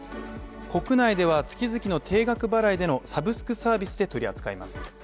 国内では月々の定額払いでのサブスクサービスで取り扱います。